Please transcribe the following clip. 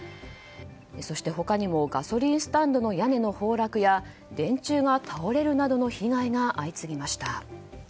そして他にもガソリンスタンドの屋根の崩落や電柱が倒れるなどの被害が相次ぎました。